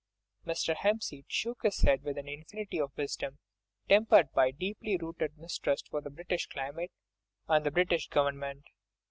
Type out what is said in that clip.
Mr. Hempseed shook his head with an infinity of wisdom, tempered by deeply rooted mistrust of the British climate and the British Government.